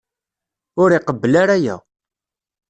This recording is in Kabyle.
Ur iqebbel ara aya.